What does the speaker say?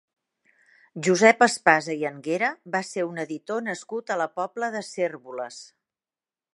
Josep Espasa i Anguera va ser un editor nascut a la Pobla de Cérvoles.